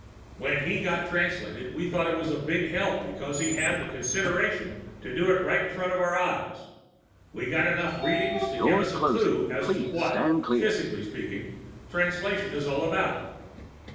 "When he got Translated, we thought it was a big help, because he had the consideration to do it right under our eyes. We got enough readings to give us a clue as to what, physically speaking, Translation is all about.